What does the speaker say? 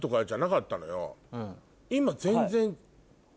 今全然。